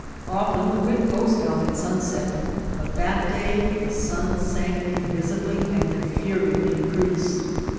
Often the wind goes down at sunset, but that day the sun sank invisibly and the fury increased.